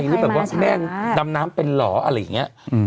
หรือแบบว่าแม่ดำน้ำเป็นเหรออะไรอย่างนี้